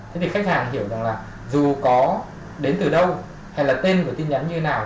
thế thì khách hàng hiểu rằng là dù có đến từ đâu hay là tên của tin nhắn như thế nào